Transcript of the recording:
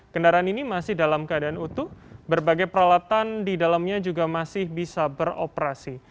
kendaraan ini masih dalam keadaan utuh berbagai peralatan di dalamnya juga masih bisa beroperasi